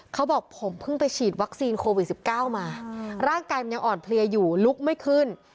เขาบอกผมเพิ่งไปฉีดวัคซีนโควิด๑๙มาร่างกายมันยังอ่อนเพลียอยู่ลุกไม่ขึ้น